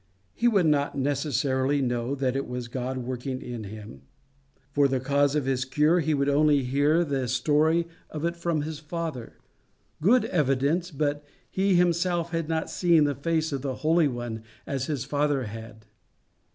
He would not necessarily know that it was God working in him. For the cause of his cure, he would only hear the story of it from his father good evidence but he himself had not seen the face of the Holy One as his father had.